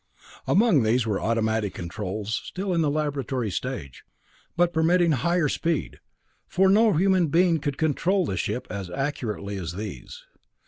Among these were automatic controls still in the laboratory stage, but permitting higher speed, for no human being could control the ship as accurately as these.